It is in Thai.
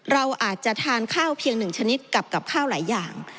เราอาจจะทานข้าวเพียงหนึ่งชนิดกับข้าวหลายอย่าง